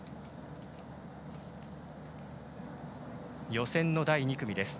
予選の第２組です。